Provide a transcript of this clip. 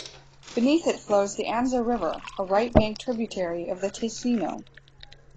Beneath it flows the Anza River, a right-bank tributary of the Ticino.